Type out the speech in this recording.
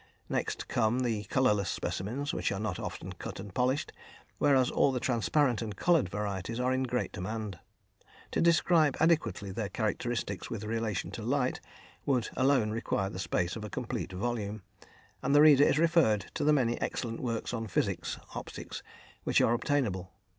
Next come the colourless specimens, which are not often cut and polished, whereas all the transparent and coloured varieties are in great demand. To describe adequately their characteristics with relation to light would alone require the space of a complete volume, and the reader is referred to the many excellent works on physics (optics) which are obtainable.